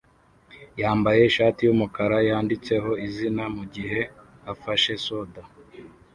yambaye ishati yumukara yanditseho izina mugihe afashe soda